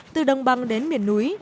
từ đồng băng đến miền núi